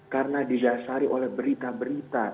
karena didasari oleh berita berita